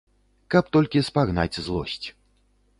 Каб толькі спагнаць злосць.